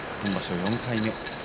４回目。